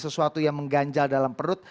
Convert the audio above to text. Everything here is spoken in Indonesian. satu satu yang mengganjal dalam perut